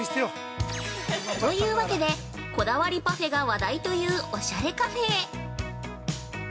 ◆というわけでこだわりパフェが話題というオシャレカフェへ。